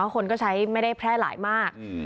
คนก็ใช้ไม่ได้แพร่หลายมาก